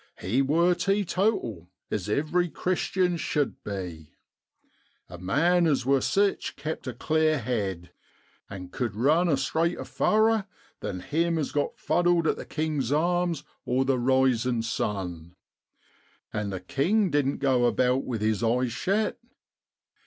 He wor teetotal, as ivery Chris tian shud be. A man as wor sich kept a clear hid, an' cud run a straiter furrow than him as got fuddled at the King's Arms, or the Eisin' Sun. An' the king didn't go about with his eyes shet.